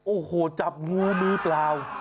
โอ้โหจับงูมือเปล่า